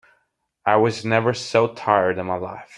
I was never so tired in my life.